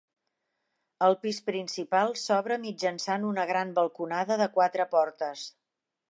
El pis principal s'obre mitjançant una gran balconada de quatre portes.